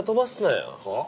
はあ？